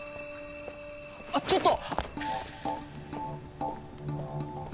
あっちょっと！